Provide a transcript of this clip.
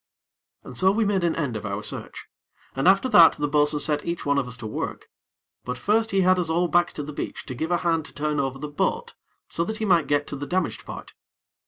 And so we made an end of our search, and after that, the bo'sun set each one of us to work. But first he had us all back to the beach to give a hand to turn over the boat, so that he might get to the damaged part.